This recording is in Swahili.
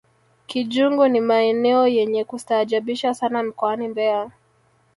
kijunguu ni maeneo yenye kustaajabisha sana mkoani mbeya